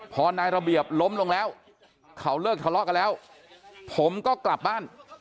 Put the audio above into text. พอนายระเบียบล้มลงแล้วเขาเลิกทะเลาะกันแล้วผมก็กลับบ้าน